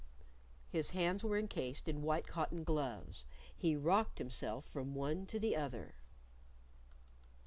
His hands were encased in white cotton gloves. He rocked himself from one to the other.